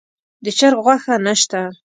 د چرګ غوښه نه شته.